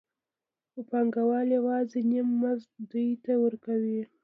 خو پانګوال یوازې نیم مزد دوی ته ورکوي